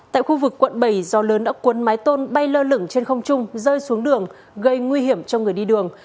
tại khu vực quận bảy do lớn đã cuốn mái tôn bay lơ lửng trên không trung rơi xuống đường gây nguy hiểm cho người đi đường